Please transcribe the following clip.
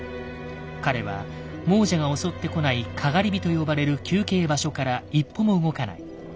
彼は亡者が襲ってこない「篝火」と呼ばれる休憩場所から一歩も動かない。